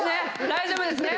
大丈夫ですね